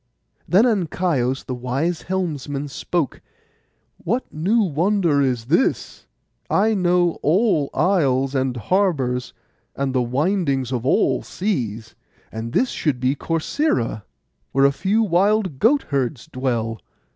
Then Ancaios, the wise helmsman, spoke, 'What new wonder is this? I know all isles, and harbours, and the windings of all seas; and this should be Corcyra, where a few wild goat herds dwell.